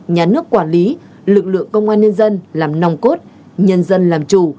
nhà nước quản lý lực lượng công an nhân dân làm nòng cốt nhân dân làm chủ